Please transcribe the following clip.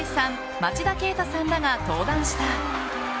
町田啓太さんらが登壇した。